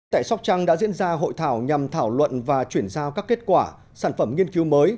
tại sóc trăng đã diễn ra hội thảo nhằm thảo luận và chuyển giao các kết quả sản phẩm nghiên cứu mới